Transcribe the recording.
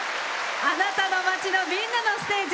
あなたの街の、みんなのステージ。